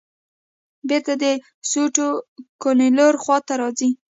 بېرته د سوټو کولونیلو خواته راځې.